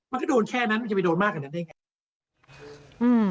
มันก็โดนแค่นั้นมันจะไปโดนมากกว่านั้นได้ไง